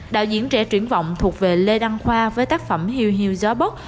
đạo diễn trẻ truyển vọng thuộc về lê đăng khoa với tác phẩm hiêu hiêu gió bốc